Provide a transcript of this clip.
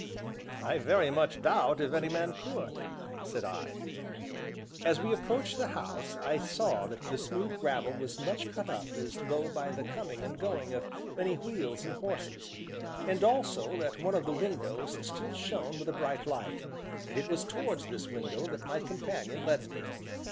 "I very much doubt if any man could," said I. As we approached the house, I saw that the smooth gravel was much cut up as though by the coming and going of many wheels and horses, and also that one of the windows still shone with a bright light, and it was towards this window that my companion led me.